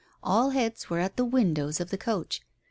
All heads were at the windows of the coach.